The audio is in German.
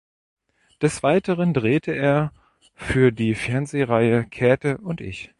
Des Weiteren drehte er für die Fernsehreihe "Käthe und ich".